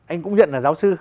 anh cũng nhận là giáo sư